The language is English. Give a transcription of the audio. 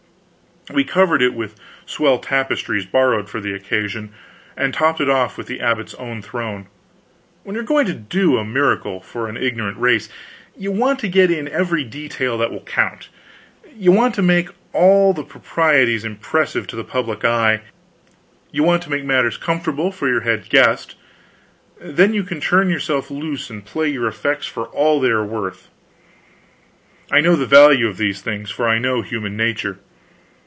We covered it with swell tapestries borrowed for the occasion, and topped it off with the abbot's own throne. When you are going to do a miracle for an ignorant race, you want to get in every detail that will count; you want to make all the properties impressive to the public eye; you want to make matters comfortable for your head guest; then you can turn yourself loose and play your effects for all they are worth. I know the value of these things, for I know human nature.